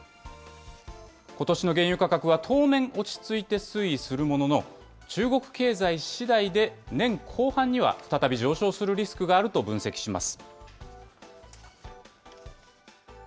ことしの原油価格は当面落ち着いて推移するものの、中国経済しだいで年後半には再び上昇するリスクがあると分析します。